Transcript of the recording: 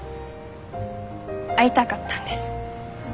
会いたかったんです。